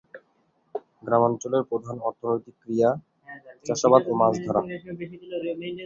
গ্রামাঞ্চলের প্রধান অর্থনৈতিক ক্রিয়া চাষাবাদ ও মাছ ধরা।